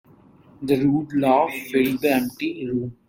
The rude laugh filled the empty room.